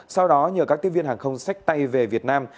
sau đó nhờ các tiếp viên hàng không sách tay về việt nam